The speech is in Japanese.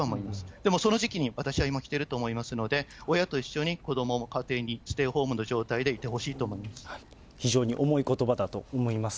でもその時期に私はもう来てると思いますので、親と一緒に子どもも家庭にステイホームの状態でいてほしいと思います。